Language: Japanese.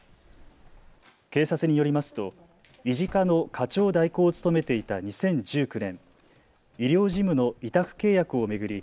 警察によりますと医事課の課長代行を務めていた２０１９年、医療事務の委託契約を巡り